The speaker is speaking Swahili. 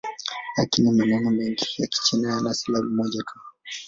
Lakini maneno mengi ya Kichina yana silabi moja tu.